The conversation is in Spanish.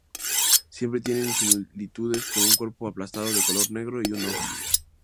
Siempre tienen similitudes con un cuerpo aplastado de color negro y un ojo.